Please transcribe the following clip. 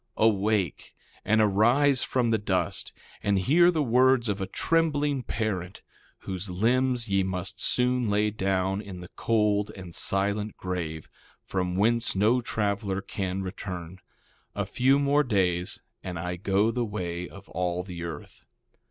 1:14 Awake! and arise from the dust, and hear the words of a trembling parent, whose limbs ye must soon lay down in the cold and silent grave, from whence no traveler can return; a few more days and I go the way of all the earth.